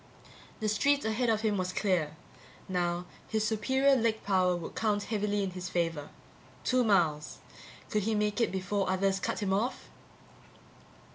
The street ahead of him was clear. Now his superior leg power would count heavily in his favor. Two miles. Could he make it back before others cut him off?